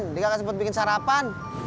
jadi kagak sempet bikin sarapan